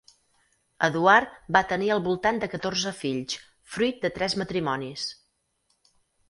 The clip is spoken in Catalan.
Eduard va tenir al voltant de catorze fills, fruit de tres matrimonis.